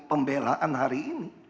pembelaan hari ini